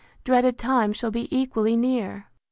dreaded time, shall be equally near!